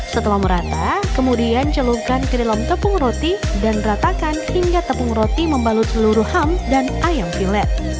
setelah merata kemudian celupkan ke dalam tepung roti dan ratakan hingga tepung roti membalut seluruh ham dan ayam pilet